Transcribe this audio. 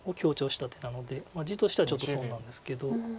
地としてはちょっと損なんですけど。